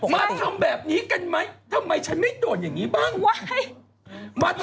มาทำแบบนี้กันไหมมาทำแบบนี้กันไหม